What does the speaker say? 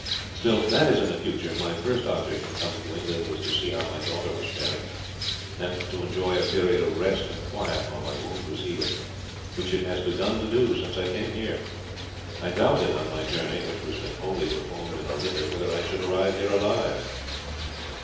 Still, that is in the future. My first object in coming to England was to see how my daughter was faring, and to enjoy a period of rest and quiet while my wound was healing, which it has begun to do since I came here. I doubted on my journey, which has been wholly performed in a litter, whether I should arrive here alive."